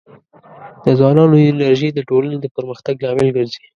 د ځوانانو انرژي د ټولنې د پرمختګ لامل ګرځي.